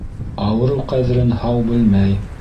Ауырыу ҡәҙерен һау белмәй